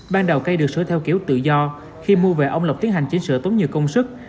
ban đầu cây được sửa theo kiểu tự do khi mua về ông lộc tiến hành chỉnh sửa tốn nhiều công sức